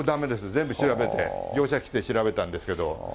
全部調べて、業者来て調べたんですけど。